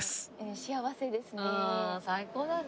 幸せですね。